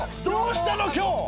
どうしたの今日？